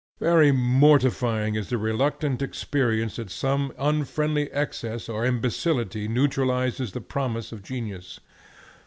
Very mortifying is the reluctant experience that some unfriendly excess or imbecility neutralizes the promise of genius.